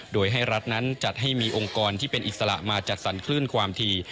โดยให้รัฐนั้นจัดให้มีองค์กรที่เป็นอิสระมาจัดสรรคลื่นความถี่